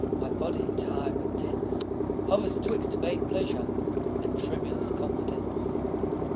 My body, tired but tense, Hovers 'twixt vague pleasure And tremulous confidence.